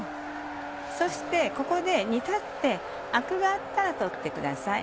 そしてここで煮立ってアクがあったら取ってください。